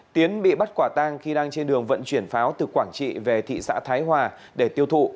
tiến bị bắt quả tang khi đang trên đường vận chuyển pháo từ quảng trị về thị xã thái hòa để tiêu thụ